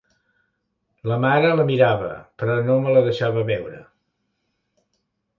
La mare la mirava, però no me la deixava veure.